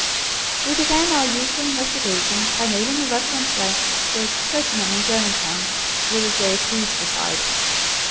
We began our usual investigation by mailing a reference blank to a clergyman in Germantown, where the J. F. B.'s reside.